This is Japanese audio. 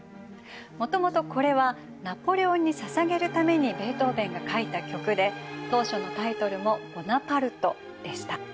もともとこれはナポレオンにささげるためにベートーベンが書いた曲で当初のタイトルも「ボナパルト」でした。